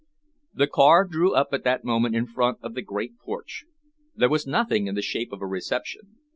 The car drew up at that moment in front of the great porch. There was nothing in the shape of a reception.